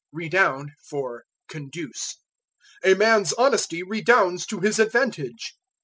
Redound for Conduce. "A man's honesty redounds to his advantage."